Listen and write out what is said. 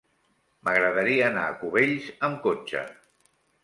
M'agradaria anar a Cubells amb cotxe.